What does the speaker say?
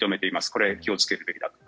これ、気をつけるべきだと。